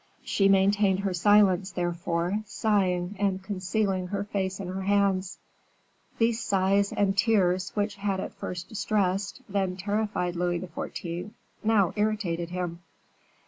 She maintained her silence, therefore, sighing, and concealing her face in her hands. These sighs and tears, which had at first distressed, then terrified Louis XIV., now irritated him.